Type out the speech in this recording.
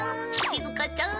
しずかちゃん！？